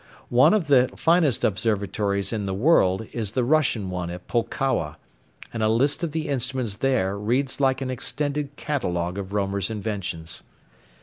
One of the finest observatories in the world is the Russian one at Pulkowa, and a list of the instruments there reads like an extended catalogue of Roemer's inventions.